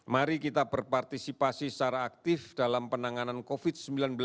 mari kita berpartisipasi secara aktif dalam penanganan covid sembilan belas